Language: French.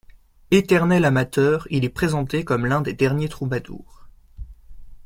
Éternel amateur, il est présenté comme l'un des derniers troubadours.